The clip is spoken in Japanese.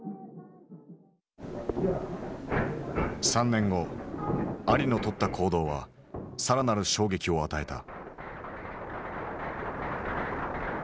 ３年後アリのとった行動は更なる衝撃を与えた。